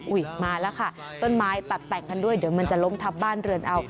มาแล้วค่ะต้นไม้ตัดแต่งกันด้วยเดี๋ยวมันจะล้มทับบ้านเรือนเอา